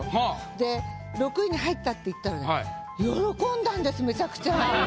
で６位に入ったって言ったらねめちゃくちゃ。